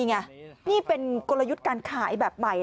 นี่เป็นกลยุทธ์การขายแบบใหม่